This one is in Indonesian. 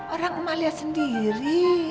orang emak lihat sendiri